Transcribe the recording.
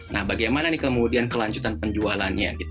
nah bagaimana kemudian kelanjutan penjualannya